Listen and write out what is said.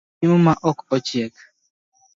Otedo chiemo ma ok ochiek